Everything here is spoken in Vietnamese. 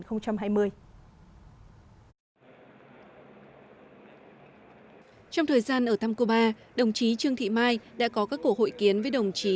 trong thời gian ở thăm cuba đồng chí trương thị mai đã có các cuộc hội kiến với đồng chí